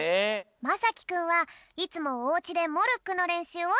まさきくんはいつもおうちでモルックのれんしゅうをするんだって。